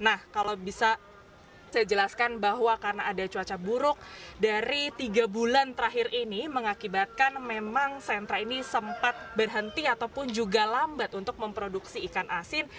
nah kalau bisa saya jelaskan bahwa karena ada cuaca buruk dari tiga bulan terakhir ini mengakibatkan memang sentra ini sempat berhenti ataupun juga lambat untuk memproduksi ikan asin